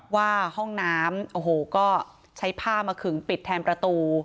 ว่าห้องน้ำโอ้โหก็ใช้ผ้ามาขึงปิดแทนประตู